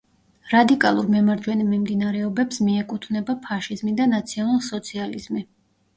რადიკალურ მემარჯვენე მიმდინარეობებს მიეკუთვნება ფაშიზმი და ნაციონალ-სოციალიზმი.